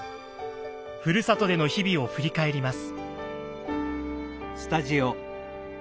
ふるさとでの日々を振り返ります。